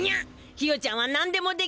ひよちゃんはなんでもできる！